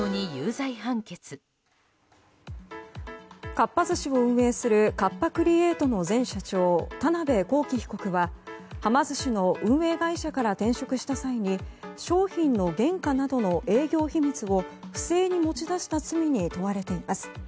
かっぱ寿司を運営するカッパ・クリエイトの前社長田辺公己被告ははま寿司の運営会社から転職した際に、商品の原価などの営業秘密を不正に持ち出した罪に問われています。